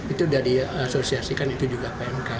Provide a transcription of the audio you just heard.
itu sudah diasosiasikan itu juga pmk